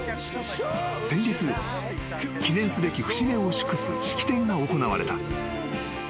［先日記念すべき節目を祝す式典が行われた］